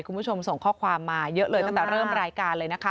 คุณผู้ชมส่งข้อความมาเยอะเลยตั้งแต่เริ่มรายการเลยนะคะ